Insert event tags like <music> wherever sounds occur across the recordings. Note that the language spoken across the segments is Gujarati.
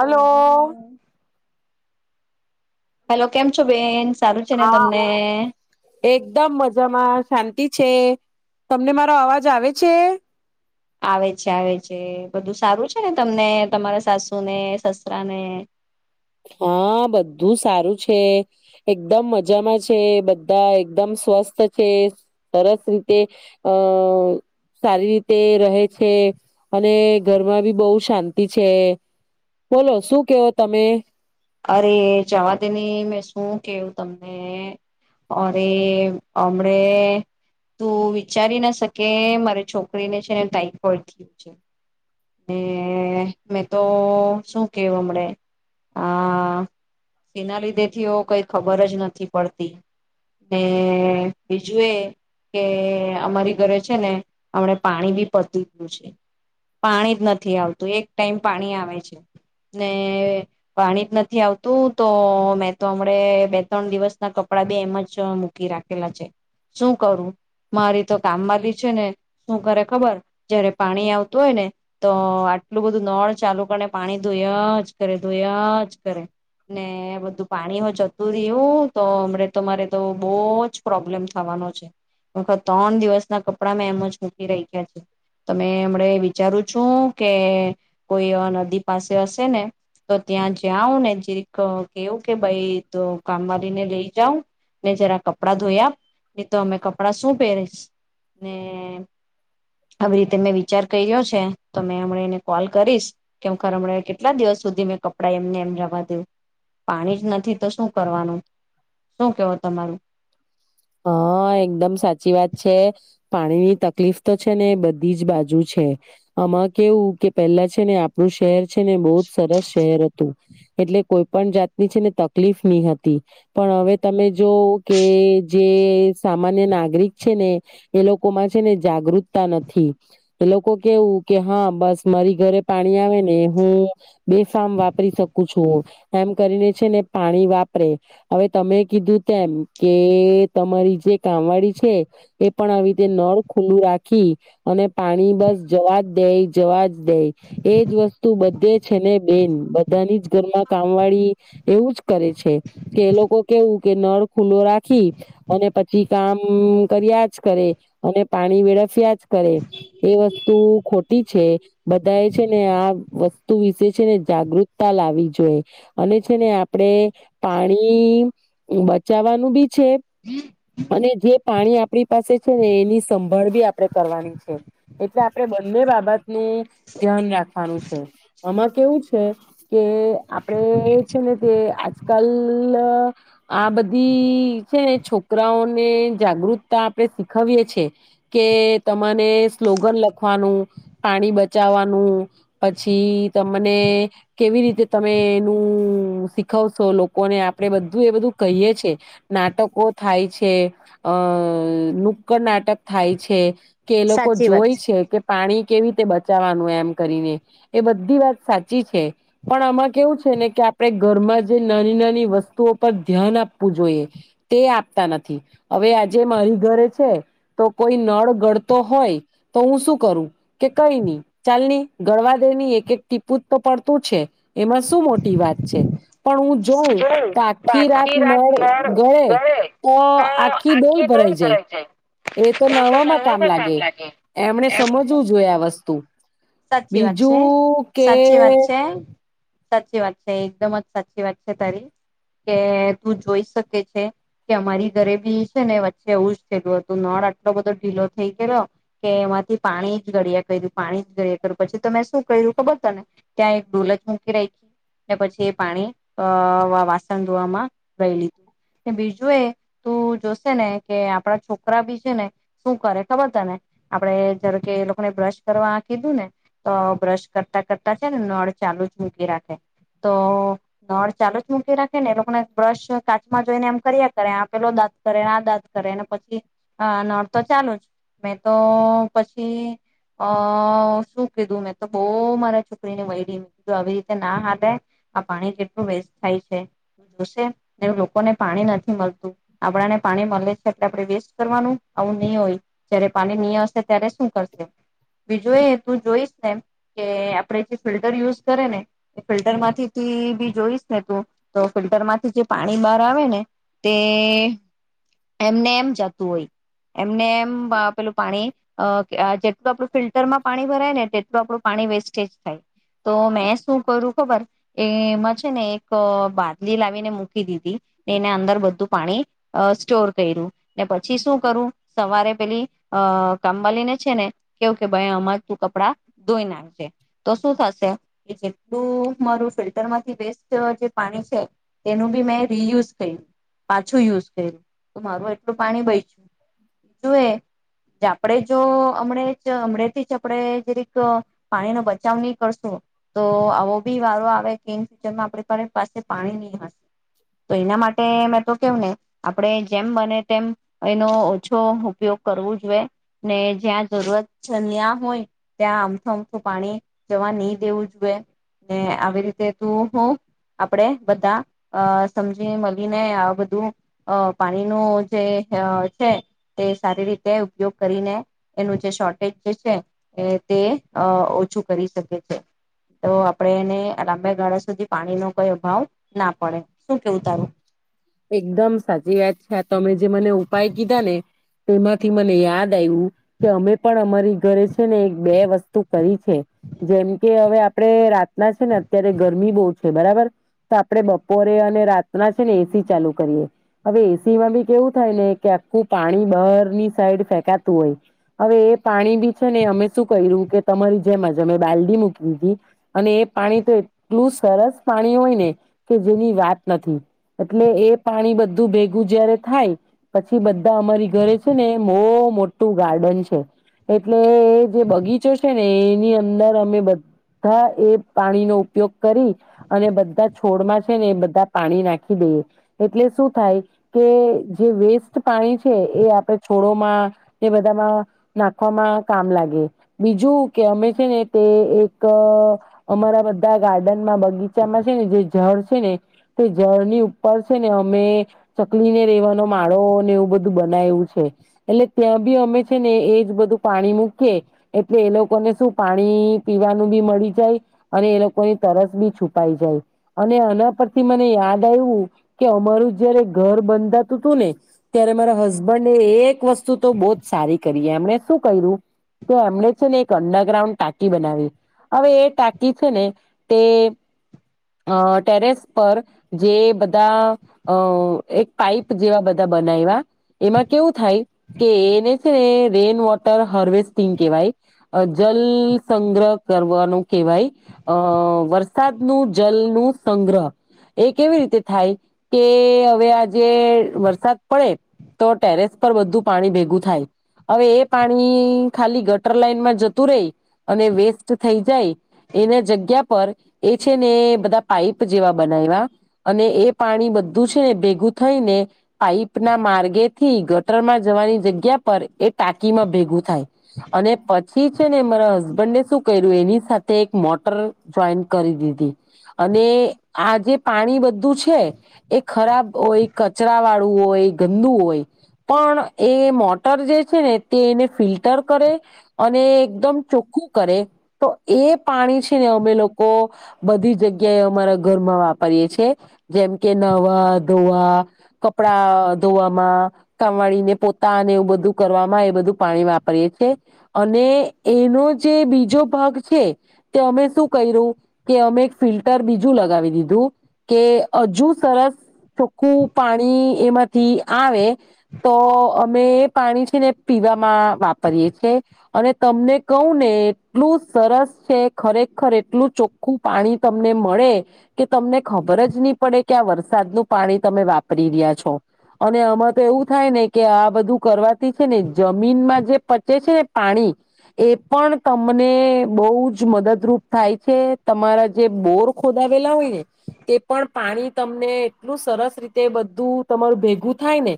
Hello hello! કેમ છો બેન? સારું છે ને હા. તમને એકદમ મજામાં શાંત તિ છે. તમને મારો અવાજ આવે છે? આવે છે-આવે છે. બધું સારું છે ને તમને, તમારા સાસુ ને, સસરા ને? હા બધું સારું છે, એકદમ મજામાં છે, બધા એકદમ સ્વસ્થ છે, સરસ રીતે અહ સારી રીતે રહે છે, અને ઘરમાં બી બહુ શાંતિ છે. બોલો શું કેવો તમે? અરે જવા દે ને મેં શું કેહું તમને, અરે હમણે તું વિચારી નષશકે મારી છોકરીને છેને ટાઈફોડ થયું છે. ને મેં તો શું કેવું હમણે, અહ શેના લીધે થયો કઈ ખબર જ નથી પડતી. ને બીજું એ કે અમારી ઘરે છે ને હમણે પાણી બી પત્તી ગયું છે. પાણી જ નથી આવતું, એક ટાઈમ પાણી આવે છે, ને પાણી જ નથી આવતું, તો મેં તો હમણે બે ત્રણ દિવસ ના કપડા બે એમ જ મૂકી રાખેલા છે. શું કરું? મારી તો કામ વાળી છે ને શું કરે ખબર જયારે પાણી આવતું હોય ને તો આટલું બધું નળ ચાલુ કરીને પાણી ધોયા જ કરે ધોયા જ કરે, ને બધું પાણી હ જતું રહ્યું તો હમણે તો બહુ જ પ્રોબ્લેમ થવાનો છે. હું તો તણ દિવસના કપડા મેં એમ જ મૂકી રાયખા છે. તો મેં હમણે વિ ચારું છું કે કોઈ નદી પાસે હશે ને તો ત્યાં જ્યાઉને જીરીક કેવું કે ભઈ તું કામવાળીને લઈ જાઉ, ને જરા કપડાં ધોયા, ને તો અમે કપડા શું પહેરીશ? ને આવી રીતે મેં વિચાર ક્યરો છે, તો મે હમણાં એને કોલ કરીશ કે <unintelligible> કેટલા દિવસ સુધી મેં કપડાં એમને એમ જવા રહેવા દઉં? પાણી જ નથી તો શું કરવાનું? શું કેવો તમારું? હા, એકદમ સાચી વાત છે. પાણીની તકલીફ તો છે ને બધી જ બાજુ છે. આમાં કેવું કે પેલા છે ને આપણું શહેર છે ને બહુ જ સરસ શહેર હતું. એટલે કોઈ પણ જાતની છે ને તકલીફ નહી હતી, પણ હવે તમે જો કે જે સામાન્ય નાગરિક છે ને એ લોકો માં છે ને જાગૃતતા નથી એ લોકો કેવું કે હા બસ મારી ઘરે પાણી આવે ને હું બેફામ વાપરી શકું છું. એમ. કરીને છે ને પાણી વાપરે હવે તમે કીધું તેમ કે તમારી જે કામવાડી છે એ પણ આવી રીતે નળ ખુલ્લું રાખી અને પાણી બસ જવા જ દે જવા જ દે એજ વસ્તુ બધે જ છે ને બેન બધાની જ ઘરમાં કામ વાળી એવું જ કરે છે કે એ લોકો કેવું કે નળ ખુલ્લો રાખી અને પછી કામ કર્યા જ કરે અને પાણી વેળફ્યા જ કરે એ વસ્તુ ખોટી છે બધા એ છે ને આ વસ્તુ વિશે છે ને જાગૃતતા લાવવી જોઈ અને છે ને આપડે પાણી બચાવવાનું બી છે અને જે પાણી આપણી પાસે છે ને એની સંભાળ બી આપડે કરવાની છે એટલે આપણે બંને બાબત નું ધ્યાન રાખવાનું છે. આમાં કેવું છે કે આપડે છે ને તે આજકાલ આ બઘી ને છોકરાઓને જાગૃતતા આપણે શીખવીએ છે કે, તમારે સ્લોગન લખવાનું, પાણી બચાવવાનું, પછી તમને કેવી રીતે તમે એનું શીખવશો, લોકોને આપડે બધું એ બધું કહીએ છે. નાટકો થાય છે અ નુક્કડ નાટક થાય છે. કે એ લોકો સાચી વાત જોય છે કે પાણી કેવી રીતે બચાવવાનું એમ કરીને એ બધી વાત સાચી છે. પણ આમાં કેવું છે ને કે, આપણે ઘરમાં જે નાની નાની વસ્તુઓ પર ધ્યાન આપવું જોઈએ. તે આપતા નથી હવે આજે મારી ઘરે છે તો કોઈ નળ ગળતો હોય તો હું શું કરું કે કઈ નહી ચાલ ની ગળવા દે ની એક એક ટીપુ તો પડતું છે એમાં શું મોટી વાત છે પણ હું છે જોઉં જો તો આખી રાત નળ ગળે તો આખી ડોલ ભરાઈ જાય. એ તો નવામાં કામ લાગે એમણે એમ સમજવું જોઈ આ વસ્તુ સાચી વાત છે બીજું કે સાચી વાત છે સાચી વાત છે. એકદમ જ સાચી વાત છે. તારી કે તું જોઈ શકે છે કે અમારી ઘરે બી છે ને વચ્ચે એવું જ થયેલું હતું નળ આટલો બધો ઢીલો થઈ ગયલો કે એમાંથી પાણી જ ગળિયા કર્યું પાણી જ ગળિયા કર્યું પછી તો મે શું કર્યું ખબર ત ને ત્યાં એક ડોલજ મૂકી રાખી ને પછી એ પાણી અ વાસણ ધોવામાં લઈ લીધું. બીજું એ તું જોશે ને કે આપણા છોકરા બી છે ને શું કરે ખબર તને આપણે જ કે એ લોકોને બ્રશ કરવા કીધું ને તો બ્રશ કરતા-કરતા છે ને નળ ચાલુ જ મૂકી રાખે તો નળ ચાલુ જ મૂકી રાખે ને. એ લોકોને બ્રશ કાચમાં જોઈને એમ કર્યા કરે આ પેલો દાંત કરેને આ દાંત કરેને પછી નળ તો ચાલુ જ મેં તો પછી અ શું કીધું મેં તો બો મારા છોકરીને વઈઢી કીધું આવી રીતે ના હાથેે આ પાણી કે કેટલુ વેસ્ટ થાય છે. જોશે લોકો લોકોને પાણી નથી મળતું આપણાને પાણી મળે છે એટલે આપણે વેસ્ટ કરવાનું આવું નહી હોય. જયારે પાણી ની હશે ત્યારે શું કરશે બીજું એ તું જોઈશ ને કે આપણે જે ફિલ્ટર યુઝ કરેને એ ફિલ્ટર માંથી ભી જોઈશ ને તું તો ફિલ્ટર માંથી જે પાણી બહાર આવે ને તે એમને એમ જતું હોય એમને એમ પેલું પાણી જેટલું અ આપણું ફિલ્ટરમાં પાણી ભરાય ને તેટલું આપણું પાણી વેસ્ટેજ થાય. તો મેં શું કરું ખબર એમાં ને એક બાદલી લાવીને મૂકી દીધી ને એને અંદર બધું પાણી સ્ટોર કર્યું ને પછી શું કરું સવારે પેલી કામવાલી છે ને કેવું કે ભાઈ અમાં તું કપડા ધોઈ નાખજે તો શું થશે જેટલું મારું ફિલ્ટર માંથી બે જે પાણી છે તેનું બી મેં રિયુઝ કર્યું પાછું યુઝ કર્યું તો મારું એટલું પાણી બયચુ. તુએ આપડે જો હમડે જ઼ હમડેથી જ આપણે જેક પાણી નો બચાવ નહી કરશું તો આવો બી વારો આવે કે તેમ આપ આપણી પાસે પાણી નહી હોય તો એના માટે મેં તો કેવું ને આપણે જેમ બને તેમ એનો ઓછો ઉપયોગ કરવો જોઈએ ને જ્યાં જરૂરત ન્યા હોય ત્યાં અમથું અમથું પાણી જવા નહી દેવું જોઈએ ને આવી રીતે તોહ આપણેે બધા અ સમજી મળીને આ બધું અ પાણીનું જે છે તે સારી રીતે ઉપયોગ કરીને એનું જે શોર્ટેજ જે છે તે અ ઓછું કરી શકે છે. તો આપણે એને લાંબા ગાળા સુધી પાણી નો કોઈ અભાવ ના પડે. શું કેવું તારું? એકદમ સાચી વાત છે. આ તમે જે મને ઉપાય કીધા ને તેમાંથી મને યાદ આવ્યું કે અમે પણ અમારી ઘરે છે ને એક બે વસ્તુ કરી છે જેમ કે હવે આપણે રાતના છે ને અત્યારે ગરમી બહુ છે. બરાબર તો આપણે બપોરે અને રાતના છે ને એસી ચાલુ કરીએ હવે એસી માં બી કેવું થાય ને કે આખું પાણી બહારની સાઈડ ફેંકાતું હોય હવે એ પાણી બી છે ને અમે શું કર્યું કે તમારી જેમ જ અમે બાલ્ડી મૂકી દીધી અને એ પાણી તો એટલું સરસ પાણી હોય ને કે જેની વાત નથી. ને એ પાણી બધું ભેગું જયારે થાય. પછી બધા અમારી ઘરે છે ને બહુ મોટું ગાર્ડન છે.. એટલે એ જે બગીચો છે ને એની અંદર અમે બધા એ પાણીનો ઉપયોગ કરી, અને બધા છોડમાં છે ને એ બધા પાણી નાખી દઈએ. એટલે શું થાય કે, જે વેસ્ટ પાણી છે એ આપણે છોડમાં, તે બધામાં નાખવામાં કામ લાગે. બીજું કે અમે છે ને, તે એક અમારા બધા ગાર્ડનમાં બગીચામાં છે ને જે જળ છે, ને તે જળની પર છે ને અમે ચકલીને રેવાનો માળો ને એવું બધું બનાવ્યું છે. એટલે ત્યાં બી અમે છે ને એજ બધું પાણી મૂકીએ. એટલે એ લોકોને શું પાણી પીવાનું બી મળી જાય. અને એ લોકોની તરસ બી છુપાઈ જાય. અને એના પરથી મને યાદ આવ્યું કે અમારું જયારે ઘર બંધાતું હતું ને ત્યારે, મારા હસબન્ડ એક વસ્તુ તો બહ જ સારી કરી એમણે શું કર્યું કે? એમણે છે ને એક અંડર ગ્રાઉન્ડ ટાંકી બનાવી હવે એ ટાંકી છે ને તે ટેરેસ પર જે બધા અ એક પાઈપ જેવા બધા બનાવ્યા એમાં કેવું થાય કે એને છે ને, રેન વોટર હાર્વેસ્ટિંગ કેહેવાય, જલ સંગ્રહ કરવાનું કેહેવાય અ વરસાદનું જલ નું સંગ્રહ એ કેવી રીતે. થાય કે હવે, આજે વરસાદ પડે તો ટેરેસ પર બધું પાણી ભેગું થાય. હવે એ પાણી ખાલી ગટર લાઈનમાં જતું રહી અને વેસ્ટ થઈ જાય, એના જગ્યા પર એ છે ને બધા પાઈપ જેવા બનાવ્યા. અને એ પાણી બધું છે ને ભેગું થઈને પાઈપ ના માર્ગેથી ગટરમાં જવાની જગ્યા પર એ ટાંકીમાં ભેગું થાય અને પછી છે ને મારા હસબન્ડને શું કર્યું એની સાથે એક મોટર જોઈન કરી દીધી અને આ જે પાણી બં બધું છે. એ ખરાબ હોય, કચરા વાળું હોય, ગંદુ હોય પણ એ મોટર જે છે ને, તે એને ફિલ્ટર કરે અને એકદમ ચોખ્ખું કરે, તો એ પાણી છે ને અમે લોકો બધી જગ્યાએ અમારા ઘરમાં વાપરી. કરીએ છે. કે નવા, ધોવા, કપડા ધોવામાં કામવાળીને પોતા ને એવું બધું કરવામાં એ બધું પાણી વાપરીએ છે. અને એનો જે બીજો ભાગ છે. તે અમે શું કર્યું કે, અમે એક ફિલ્ટર બીજું લગાવી દીધું કે હજુ સરસ ચોખ્ખું પાણી એમાંથી આવે. તો અમે એ પાણી છે ને પીવામાં વાપરીએે છે. અને તમને કહું ને એટલું સરસ છે. ખરેખર એટલું ચોખ્ખું પાણી તમને મળે કે તમને ખબર જ નહી પડે કે આ વરસાદનું પાણી તમે વાપરી રહ્યા છો. અને આમાં તો એવું થાય ને કે આ બધું કરવાથી છે ને, જમીનમાં જે પચે છે ને પાણી એ પણ તમને બહુ જ મદદરૂપ થાય છે. તમારા જે બોર ખોદાવેલા હોય ને એ પણ પાણી તમને એટલું સરસ રીતે બધું તમારું ભેગું થાય ને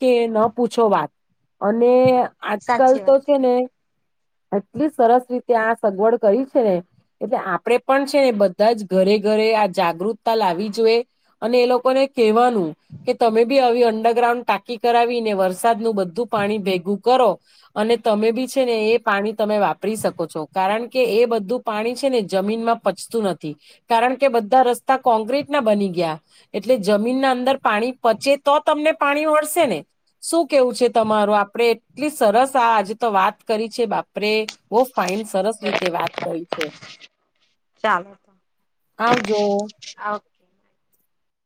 કે, ન પૂછો વાત. અને આજકાલ સાચી તો વાત છે ને એટલી સરસ રીતે આ સગવડ કરી છે ને, એટલે આપડે પણ છે ને, બધા જ ઘરે ઘરે આ જાગૃતતા લાવી. તો એ લોકોને કહેવાનું કે, તમે બી આવી અંડરગ્રાઉન્ડ ટાંકી કરાવીને, વરસાદનું બધું પાણી ભેગું કરો. અને તમે બી છે ને, એ પાણી તમે વાપરી શકો છો, કારણ કે એ બધું પાણી છે ને જમીનમાં પચતું નથી. કારણ કે બધા રસ્તા કોક્રીટ ના બની ગયા. એટલે જમીન ના અંદર પાણી પચે તો, તમને પાણી વળશે ને શું કેવું છે તમારો? આપડે એટલી સરસ આ આજે તો વાત કરી છે. બાપરે બહુ ફાઈન સરસ રીતે વાત કરી છે. ચાલો આવ આવજો. ઓકે. <inaudible>